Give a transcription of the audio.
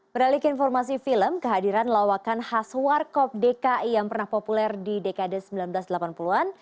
beralik informasi film kehadiran lawakan khas warkop dki yang pernah populer di dekade seribu sembilan ratus delapan puluh an